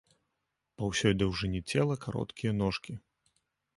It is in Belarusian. Па ўсёй даўжыні цела кароткія ножкі.